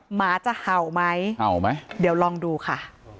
หมาจะเห่าไหมเห่าไหมเดี๋ยวลองดูค่ะ